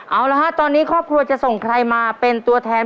เอาละฮะตอนนี้ครอบครัวจะส่งใครมาเป็นตัวแทน